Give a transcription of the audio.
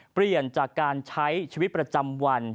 เปลี่ยนจากการใช้ชีวิตประจำวัน